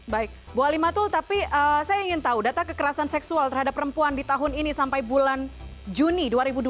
baik bu alimatul tapi saya ingin tahu data kekerasan seksual terhadap perempuan di tahun ini sampai bulan juni dua ribu dua puluh